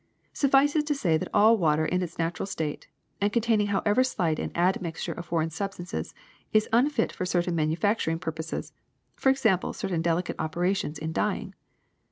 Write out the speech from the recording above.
Suffice it to say that all water in its natural state and containing however slight an admixture of foreign substances is unfit for certain manufacturing purposes, for example certain delicate operations in dyeing.